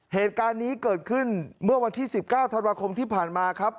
เหตุการณ์นี้เกิดขึ้นเมื่อวันที่๑๙ธันวาคมที่ผ่านมาครับ